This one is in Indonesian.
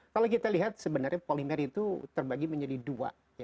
kalau kita lihat sebenarnya polimer itu terbagi menjadi dua